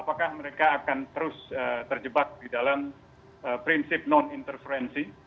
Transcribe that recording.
apakah mereka akan terus terjebak di dalam prinsip non interferensi